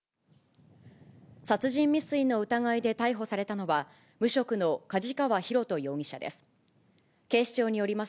殺人未遂の疑いで逮捕されたのは、無職の梶川寛人容疑者です。